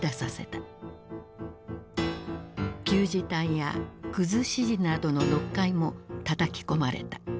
旧字体やくずし字などの読解もたたき込まれた。